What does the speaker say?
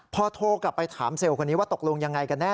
พอโทรกลับไปถามเซลล์คนนี้ว่าตกลงยังไงกันแน่